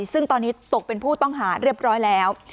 ซึ่งตอนนี้ตกเป็นผู้ต้องหาเรียบร้อยแล้ว